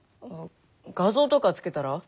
画像とか付けたら？